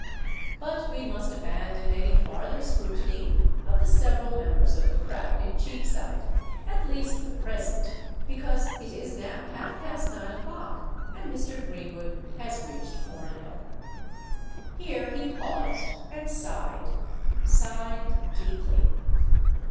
But we must abandon any farther scrutiny of the several members of the crowd in Cheapside—at least for the present; because it is now half past nine o'clock, and Mr. Greenwood has reached Cornhill. Here he paused—and sighed,—sighed deeply.